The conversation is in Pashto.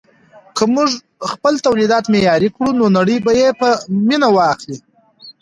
که موږ خپل تولیدات معیاري کړو نو نړۍ به یې په مینه واخلي.